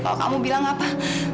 kalau kamu bilang apa